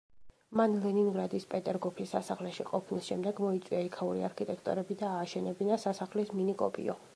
მან ლენინგრადის პეტერგოფის სასახლეში ყოფნის შემდეგ მოიწვია იქაური არქიტექტორები და ააშენებინა სასახლის მინი კოპიო.